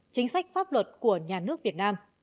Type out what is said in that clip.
chính sách pháp luật của nhà nước việt nam